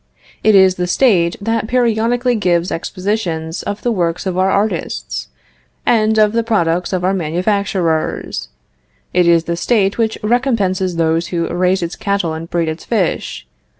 It is the State that periodically gives expositions of the works of our artists, and of the products of our manufacturers; it is the State which recompenses those who raise its cattle and breed its fish.